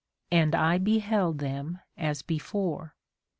And I beheld them as before.